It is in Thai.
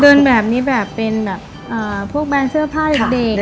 เดินแบบนี้แบบเป็นแบบพวกแบรนด์เสื้อผ้าเด็ก